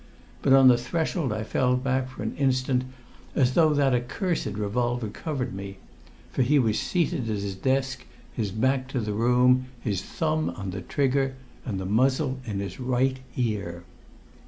But on the threshold I fell back, for an instant, as though that accursed revolver covered me; for he was seated at his desk, his back to the room, his thumb on the trigger and the muzzle in his right ear.